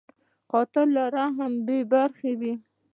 قاتل له رحم بېبرخې وي